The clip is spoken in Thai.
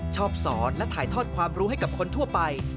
ชอบสอนและถ่ายทอดความรู้ให้กับคนทั่วไป